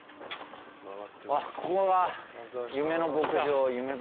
あっここが夢の牧場ゆめ